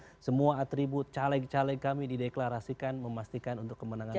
dan kemudian semua atribut caleg caleg kami di deklarasikan memastikan untuk kemenangan mas anies